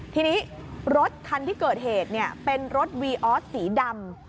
ทีนี้รถคันที่เกิดเหตุเป็นรถวีออสสีดำ